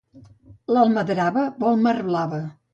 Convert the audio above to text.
L'almadrava vol mar blava.